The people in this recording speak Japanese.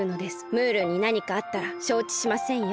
ムールになにかあったらしょうちしませんよ。